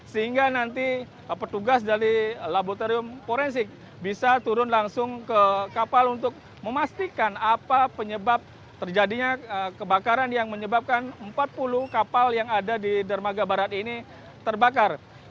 sehingga nanti petugas dari laboratorium forensik bisa turun langsung ke kapal untuk memastikan apa penyebab terjadinya kebakaran yang menyebabkan empat puluh kapal yang ada di dermaga barat ini terbakar